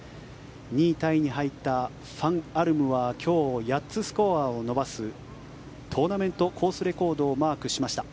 ２位タイに入ったファン・アルムは今日８つスコアを伸ばすトーナメントコースレコードをマークしました。